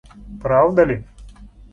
Правда ли?